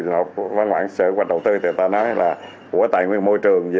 nộp văn bản sở kế hoạch đầu tư người ta nói là của tài nguyên môi trường gì đó